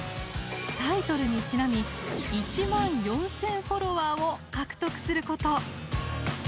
タイトルにちなみ「１万４０００フォロワー」を獲得すること。